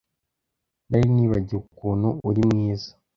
Nari nibagiwe ukuntu uri mwiza